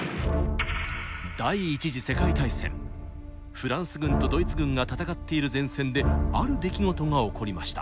フランス軍とドイツ軍が戦っている前線である出来事が起こりました。